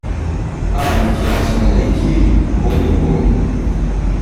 Ah, il tient à son héritier ! bon, bon.